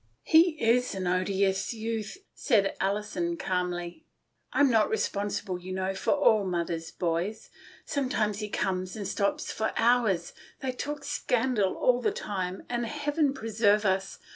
"He is an odious youth," said Alison calmly. " I'm not responsible, you know, for all mother's 'boys.' Sometimes he comes and stops for hours. They talk scandal all the time, and, Heaven preserve us!